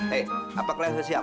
hei apa kalian sudah siap